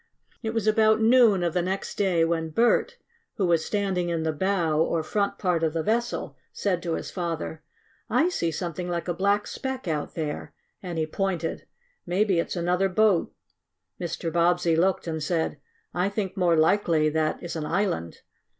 It was about noon of the next day when Bert, who was standing in the bow, or front part of the vessel, said to his father: "I see something like a black speck out there," and he pointed. "Maybe it's another boat." Mr. Bobbsey looked and said: "I think more likely that is an island.